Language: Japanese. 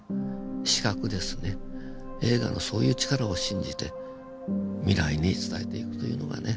映画のそういう力を信じて未来に伝えていくというのがね。